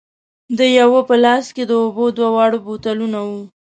د یوه په لاس کې د اوبو دوه واړه بوتلونه وو.